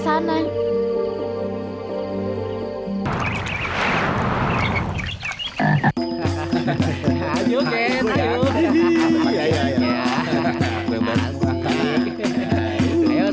rasanya paham je reflective stimulus